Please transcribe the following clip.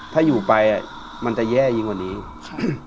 ถ้าอยู่ไปมันจะแย่ยิ่งกว่านี้ครับ